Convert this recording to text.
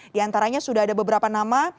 di antaranya sudah ada beberapa nama